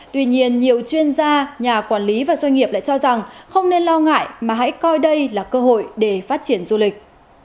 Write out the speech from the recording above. tuy nhiên nhiều chuyên gia nhà quản lý và doanh nghiệp lại cho rằng không nên lo ngại mà hãy coi đây là cơ hội để phát triển du lịch